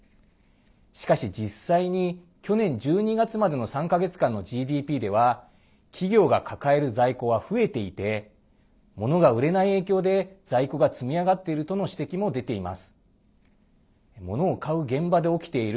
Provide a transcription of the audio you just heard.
しかし、実際に去年１２月までの３か月間のＧＤＰでは企業が抱える在庫は増えていて物が売れない影響で在庫が積み上がっているとの指摘も出ています。